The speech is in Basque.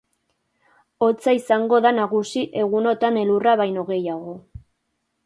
Hotza izango da nagusi egunotan elurra baino gehiago.